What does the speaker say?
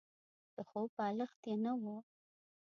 د خوب بالښت يې نه وو.